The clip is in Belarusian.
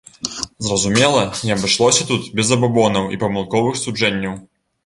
Зразумела, не абышлося тут без забабонаў і памылковых суджэнняў.